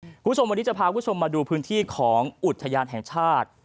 คุณผู้ชมวันนี้จะพาคุณผู้ชมมาดูพื้นที่ของอุทยานแห่งชาติ